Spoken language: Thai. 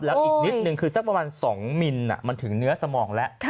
แล้วอีกนิดนึงคือสักประมาณ๒มิลมันถึงเนื้อสมองแล้ว